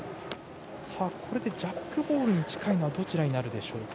これでジャックボールに近いのはどちらになるでしょうか。